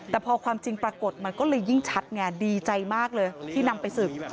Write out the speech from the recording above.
แต่พอความจริงปรากฏมันก็เลยยิ่งชัดไงดีใจมากเลยที่นำไปศึก